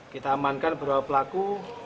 kita amankan beberapa pelaku